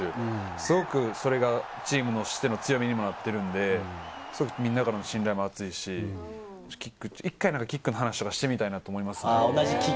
すごくそれがチームとしての強みにもなってるんで、みんなからの信頼も厚いし、１回キックの話とかしてみたいなと思いますね。